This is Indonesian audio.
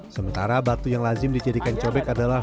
sementara batu yang lazim dijadikan cobek adalah